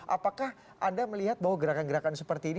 apakah anda melihat bahwa gerakan gerakan seperti ini